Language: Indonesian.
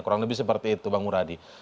kurang lebih seperti itu bang muradi